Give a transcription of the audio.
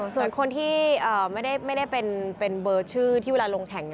ส่วนคนที่ไม่ได้เป็นเบอร์ชื่อที่เวลาลงแข่ง